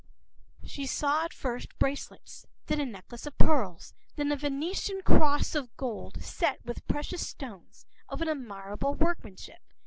”She saw at first bracelets, then a necklace of pearls, then a Venetian cross of gold set with precious stones of an admirable workmanship.